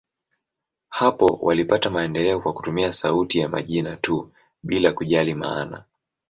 Hapo walipata maendeleo kwa kutumia sauti ya majina tu, bila kujali maana.